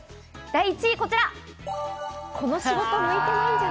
第１位はこちら。